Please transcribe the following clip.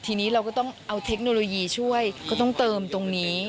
ทีนี้เราก็ต้องเอาเทคโนโลยีช่วยก็ต้องเติมตรงนี้